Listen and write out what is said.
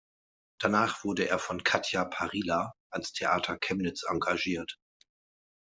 Danach wurde er von Katja Paryla ans Theater Chemnitz engagiert.